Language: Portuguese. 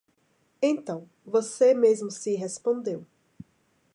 Então, você mesmo se respondeu